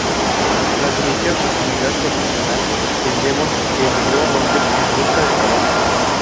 Tras iniciar su actividad profesional en Devon, emigró a Londres en busca de trabajo.